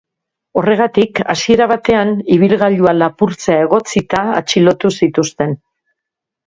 Horregatik, hasiera batean, ibilgailua lapurtzea egotzita atxilotu zituzten.